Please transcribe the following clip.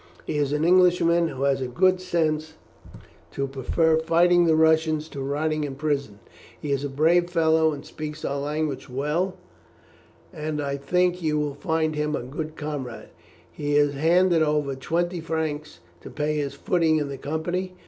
He is an Englishman who has the good sense to prefer fighting the Russians to rotting in prison. He is a brave fellow, and speaks our language well, and I think you will find him a good comrade. He has handed over twenty francs to pay his footing in the company.